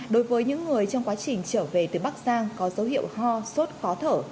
đối với những người trong quá trình trở về từ bắc giang có dấu hiệu ho sốt khó thở